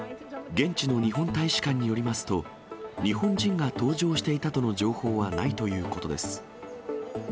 現地の日本大使館によりますと、日本人が搭乗していたとの情報はないということです。